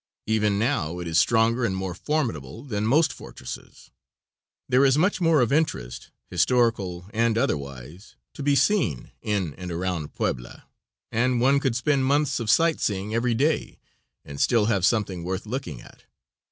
Even now it is stronger and more formidable than most fortresses. There is much more of interest, historical and otherwise, to be seen in and around Puebla, and one could spend months of sight seeing every day, and still have something worth looking at.